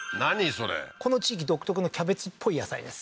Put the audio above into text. それこの地域独特のキャベツっぽい野菜です